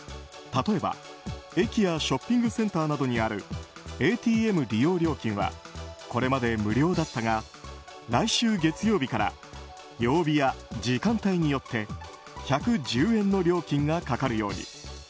例えば、駅やショッピングセンターなどにあるＡＴＭ利用料金はこれまで無料だったが来週月曜日から曜日や時間帯によって１１０円の料金がかかるように。